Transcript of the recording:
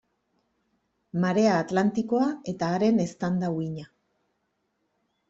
Marea Atlantikoa eta haren eztanda-uhina.